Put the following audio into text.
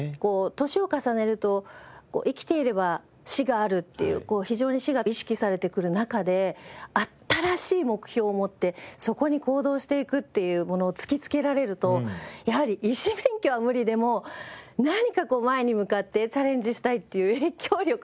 年を重ねると生きていれば死があるっていう非常に死が意識されてくる中で新しい目標を持ってそこに行動していくっていうものを突きつけられるとやはり医師免許は無理でも何かこう前に向かってチャレンジしたいっていう影響力。